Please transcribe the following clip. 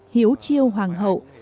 hiếu chiêu hoàng hậu